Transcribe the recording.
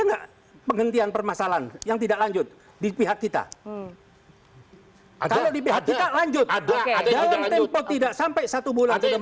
enggak penghentian permasalahan yang tidak lanjut di pihak kita ada di pihak kita lanjut ada ada